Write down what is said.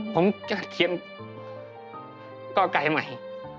ผมเขียนก็ไกลใหม่